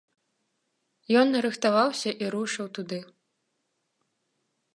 Ён нарыхтаваўся і рушыў туды.